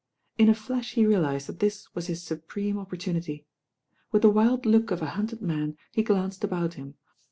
In a flash he reaUted that this wai hit lupreme op portunity. With the wild look of a hunted man, he glanced about him.